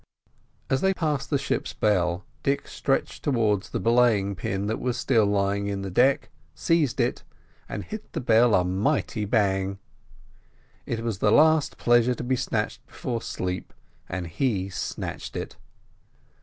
As they passed the ship's bell, Dick stretched towards the belaying pin that was still lying on the deck, seized it, and hit the bell a mighty bang. It was the last pleasure to be snatched before sleep, and he snatched it.